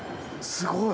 すごい！